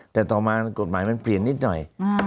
แต่ต่อมากฎหมายมันเปลี่ยนนิดหน่อย